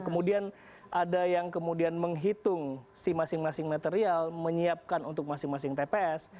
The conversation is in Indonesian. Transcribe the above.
kemudian ada yang kemudian menghitung si masing masing material menyiapkan untuk masing masing tps